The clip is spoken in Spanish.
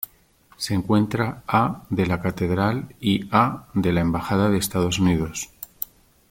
Se encuentra a de la Catedral y a de la embajada de Estados Unidos.